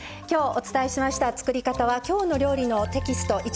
きょうお伝えしました作り方は「きょうの料理」のテキスト